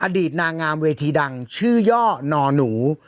อดีตนางงามเวทีดังชื่อย่อนอหนู